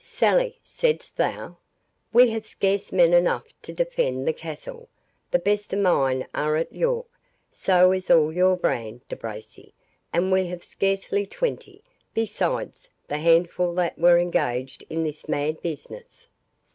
Sally, saidst thou? we have scarce men enough to defend the castle. The best of mine are at York; so is all your band, De Bracy; and we have scarcely twenty, besides the handful that were engaged in this mad business."